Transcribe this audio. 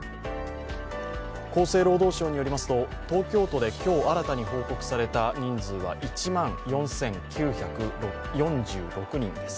厚生労働省によりますと、東京都で今日新たに報告されて人数は１万４９４６人です。